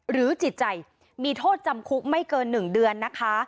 หรือจิตใจมีโทษจำคุกไม่เกินหนึ่งเดือนนะคะ